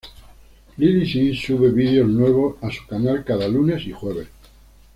Lilly Singh sube vídeos nuevos a su canal cada lunes y jueves.